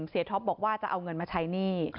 ท็อปบอกว่าจะเอาเงินมาใช้หนี้